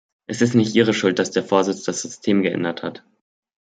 Es ist nicht ihre Schuld, dass der Vorsitz das System geändert hat.